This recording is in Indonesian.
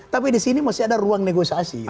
tapi di sini masih ada ruang negosiasi